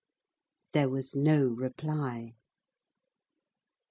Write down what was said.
There was no reply.